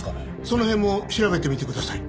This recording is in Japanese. その辺も調べてみてください。